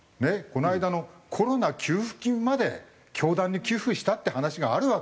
この間のコロナ給付金まで教団に寄付したって話があるわけよ。